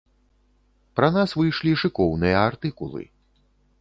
Пра нас выйшлі шыкоўныя артыкулы.